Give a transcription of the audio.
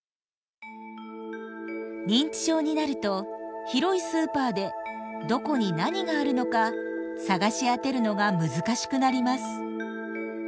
認知症になると広いスーパーでどこに何があるのか探し当てるのが難しくなります。